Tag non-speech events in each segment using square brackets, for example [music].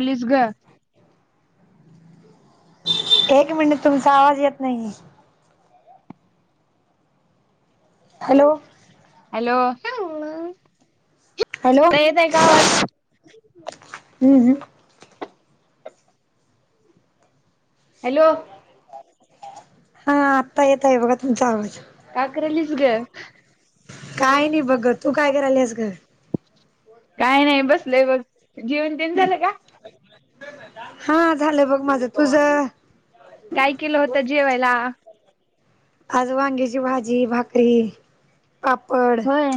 Please गं एक minute... तुमचा आवाज येत नाहीये. हॅलो हॅलो... हॅलो [unintelligible] येतय का आवाज? [unintelligible] हॅलो हा... आत्ता येतोय... बघा तुमचा आवाज का करालीस ग काय नाई बघ... तू काय करायलीस गं? काय नाई... बसलेय बघ... जेवण तेन झालं का? हा झालंय बघ माझं, तुझं? काय केलं होतं जेवायला आज वांग्याची भाजी, भाकरी, पापड होय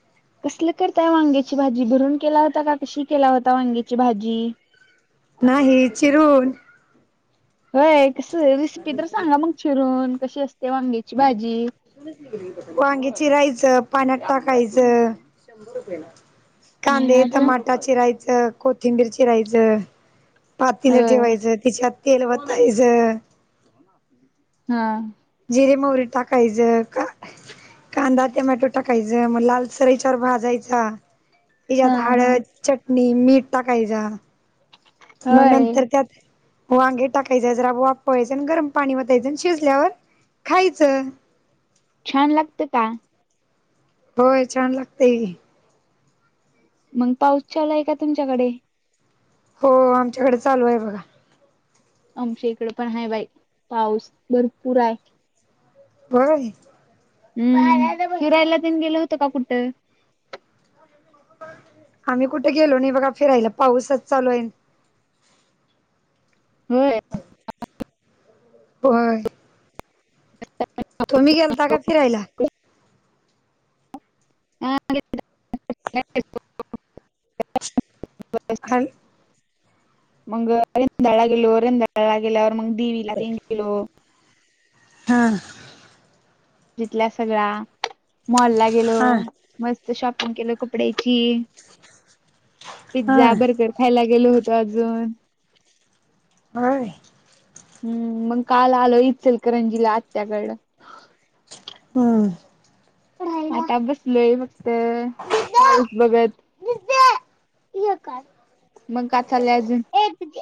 [inaudible] कसलं करताय वांग्याची भाजी? भरून केला होता का कशी केला होता... वांग्याची भाजी? नाही... चिरून. व्हय... कसं ए... रेसिपी तर सांगा मग... चिरून कशी अस [unintelligible] वांगे चिराय चं... पाण्यात टाकायचं... शंभर रुपये ना.... हम्म कांदे अजून टमाटा चिराय चं... कोथिंबीर चिरायचं... पातीलं होय ठेवायचं तिच्यात तेल वतायचं हा. तिरे मोरी टाकायचं का कांदा, टमॅटो, टाकायचा मग लाल सराईच्यावर भाजायचा हा याच्यात हा हळद, चटणी, मीठ टाकायच. मग होय नंतर त्यात वांगे टाकायचे जरा वा पळायच आणि गरम पाणी वतायचं आणि शिजल्यावर खायचं. छान लागतं का? होय... छान लागतंय की मग पाऊस चलाय का तुमच्याकडे? हो... आमच्याकडे चालू ए बघा आमच्या इकडं पण हाय बाई... पाऊस भरपूर हाय. बरं ए. हम् हिरायला देऊन गेलं होत. का कुठ आम्ही कुठे गेलो नाही बघा फिरायला पाऊसच चालू आहे. होय. अ. होय. तुम्ही गेलता का फिरायला ह. हा. ब हॅल मग जााळा गेलो वर जााला गेल्यावर मग दीवीला तीन किलो हम. जिथल्या सगळ्या मॉल ला गेलो हा मस्त शॉप केलं कपड्याची हा पिझ्झा बर्गर खायला गेलो होतो अजून होय. हम्म मग काल आलो इचलकरंजीला आत्याकड हम्म. आता बसलोय फक्तस बघत. या का मग काचाल अजून एक्य.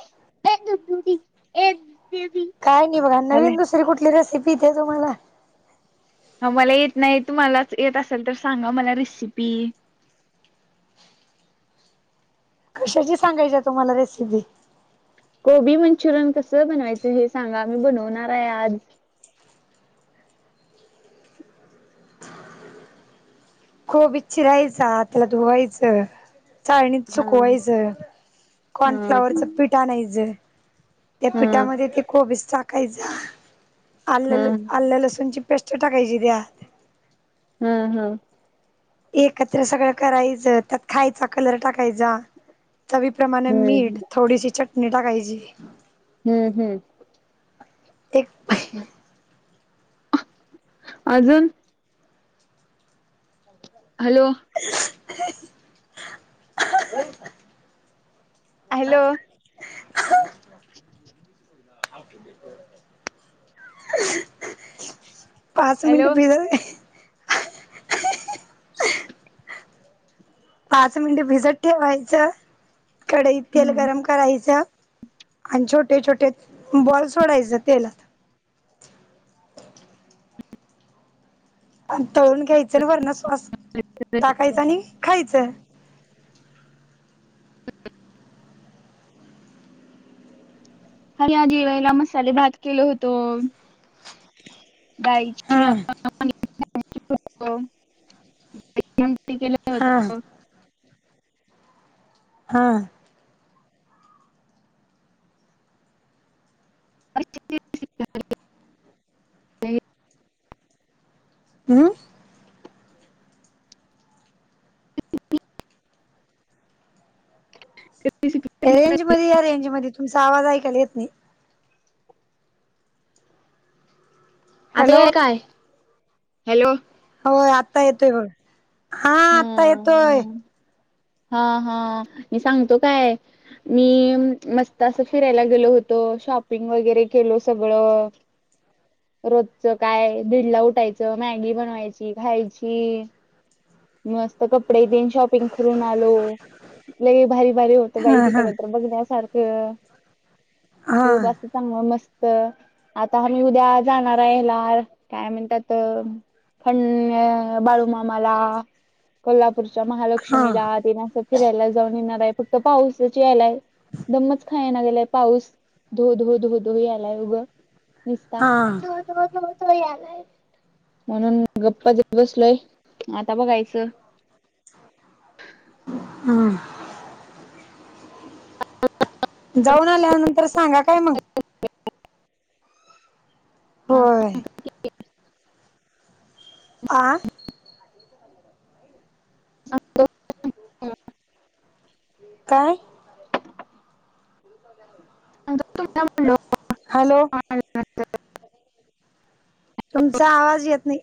काय नाही. बघा नवीन दुसरी कुठली रेसिपी दे तुम्हाला ह मला येत नाही. तुम्हालाच येत असेल तर सांगा मला रेसिपी कशाची सांगायच्या तुम्हाला रेसिपी गबी मंचुरियन कसं बनवायचं हे सांगा मी बनवणार आहे. आज खूप इच्छित राहायच त्याला धुवायचं. चाळणीत हा चुकवायचं हा. हा कॉर्नफ्लावरचा पिठा नाहीच. त्या हा पिठामध्ये ते कोबी साकायच आ हा आलं लसूणची बेस्ट टाकायची द्या हम्म हम्म. एकत्र सगळं करायचं त्यात खायचा कलर टाकायचा. चवीप्रमाणे मीठ हम्म थोडीशी चटणी टाकायची. हम्म हम्म. ते हम. अजून. हॅलो [unintelligible] हॅलो [unintelligible] पाच मनिट हॅलो. प पाच मिनट भिजत ठेवायचं कढईत तेल हम्म गरम करायचं आणि छोटे छोटे बॉल् सोडायचे तेलात आणि तळून घ्यायचं आणि वरणश्वास टाकायच आणि खायचं हर आ दिवाला मसाले भात केल होतो. हा गायची. केला हा होता. हा. हम्म. ह. रेंज मध्ये या रेंज मध्ये तुमचा आवाज ऐकाल येत नाही. आता हॅलो हे काय हॅलो होय आत्ता येतोय हो हा आता येतोय ह हा हा मी सांगतो काय मी मस्त अस फिरायला गेलो होतो शॉपिंग वगैरे केल सगळं रोजचं काय दिडला उठायचं मॅगी बनवायची खायची मस्त कपडे देन शॉपिंग करून आलो लगे भारी बर होत बाई हा हा तिकडे तर बघण्यासारखं हा खूप असं चांग मस्त आता आम्ही उद्या जाणार आहेलाार काय म्हणतातात खं बाळूमामाला को्हाप नागपूरच्या हा महालक्ष्मीला आ दिन असं फिरायला जाऊन येणार आहे फक्त पाऊसाची यायलाय दमच खाय ना गेलाय पाऊस धो धो धो धो यालाय उगं दिसता हा हो हो म्हणून गप्पा बसलोय आता बघायचं बसं हम जाऊन आल्यानंतर सांगा काय मग गण होय आठ ह काय सांग तुम्ही म्हणलो हॅलो तुमचा आवाज येत नाही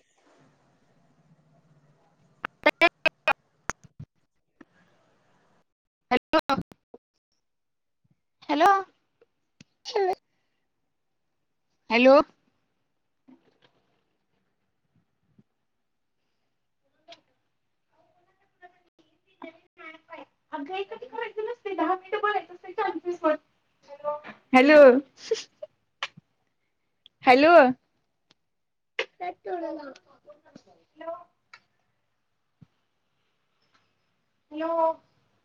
ॅो हॅलो हॅलो अ कधी करायच नसते दहा मिनटं बघय अस चान्सेस वाट हॅलो हॅलो ततोडला नो